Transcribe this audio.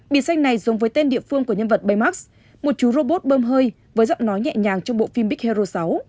biệt sách này giống với tên địa phương của nhân vật baymax một chú robot bơm hơi với giọng nói nhẹ nhàng trong bộ phim big hero sáu